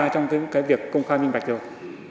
trong việc công khai minh bạch rồi